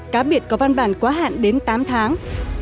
cá biệt có văn bản quá hạn đến tám tháng